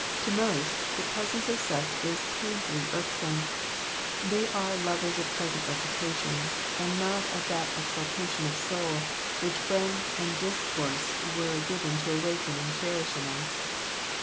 To most, the presence of such is painfully irksome; they are lovers of present reputation, and not of that exaltation of soul which friends and discourse were given to awaken and cherish in us.